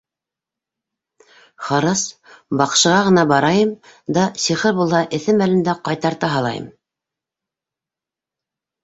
Харрас баҡшыға ғына барайым да, сихыр булһа, эҫе мәлендә ҡайтарта һалайым.